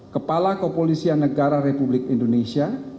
kepala kepolisian negara republik indonesia